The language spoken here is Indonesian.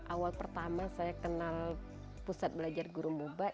awal pertama saya kenal pusat belajar guru muba